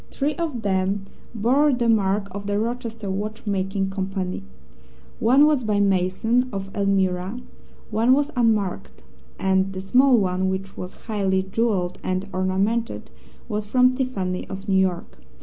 Three of them bore the mark of the Rochester Watchmaking Company; one was by Mason, of Elmira; one was unmarked; and the small one, which was highly jewelled and ornamented, was from Tiffany, of New York.